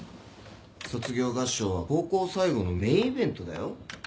卒業合唱は高校最後のメインイベントだよ。